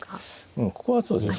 うんここはそうですね。